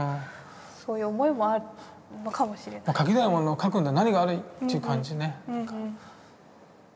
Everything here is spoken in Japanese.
描きたいものを描くんだ何が悪い！っていう感じね。